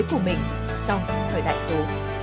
của mình trong thời đại số